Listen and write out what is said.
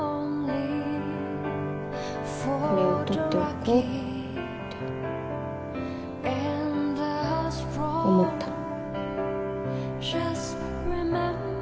これを撮っておこうって思ったの。